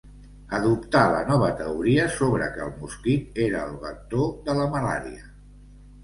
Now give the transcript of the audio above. Adoptà la nova teoria sobre que el mosquit era el vector de la malària.